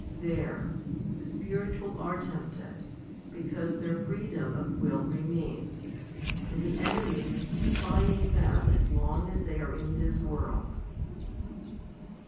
* 1 There ! the spiritual are tempted, because their freedom of will remains ; and the enemies keep plying them as long as they are in this world.